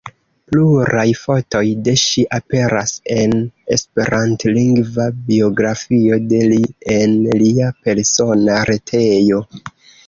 Pluraj fotoj de ŝi aperas en esperantlingva biografio de li en lia persona retejo.